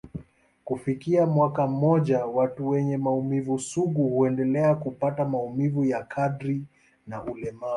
Kufikia mwaka mmoja, watu wenye maumivu sugu huendelea kupata maumivu ya kadri na ulemavu.